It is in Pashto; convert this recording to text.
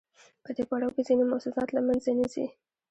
په دې پړاو کې ځینې موسسات له منځه نه ځي